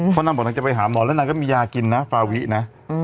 สมใจนึกนะ